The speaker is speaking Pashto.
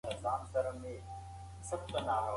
الکول ځیګر له منځه وړي.